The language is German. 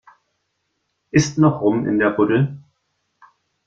Ist noch Rum in der Buddel?